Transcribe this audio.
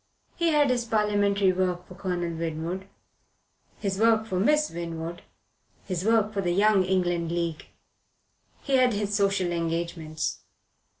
He had his parliamentary work for Colonel Winwood, his work for Miss Winwood, his work for the Young England League. He had his social engagements.